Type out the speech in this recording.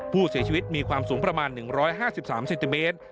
ผู้เสียชีวิตมีความสูงประมาณ๑๕๓เซนติเมตร